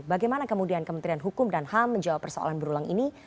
bagaimana kemudian kementerian hukum dan ham menjawab persoalan berulang ini